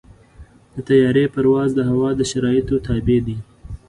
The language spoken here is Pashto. د طیارې پرواز د هوا د شرایطو تابع دی.